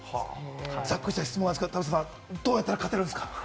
ざっくりした質問ですが、どうやったら勝てるんですか？